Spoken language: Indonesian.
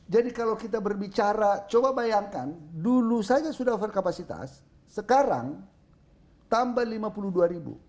jadi kalau kita berbicara coba bayangkan dulu saya sudah over kapasitas sekarang tambah lima puluh dua ribu